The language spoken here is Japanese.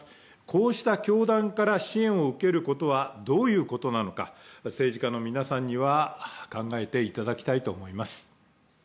こうした教団から支援を受けることはどういうことなのか、政治家の皆さんには考えていただきたいと思います。